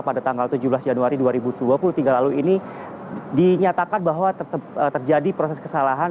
pada tanggal tujuh belas januari dua ribu dua puluh tiga lalu ini dinyatakan bahwa terjadi proses kesalahan